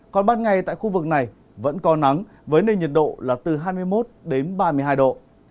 còn ban ngày tại khu vực này vẫn có nắng với nền nhiệt độ là từ hai mươi một đến ba mươi hai độ